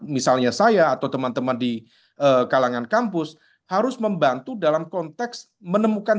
misalnya saya atau teman teman di kalangan kampus harus membantu dalam konteks menemukan